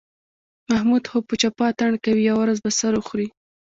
محمود خو په چپه اتڼ کوي، یوه ورځ به سر وخوري.